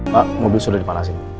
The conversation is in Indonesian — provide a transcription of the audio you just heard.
pak mobil sudah dipalasin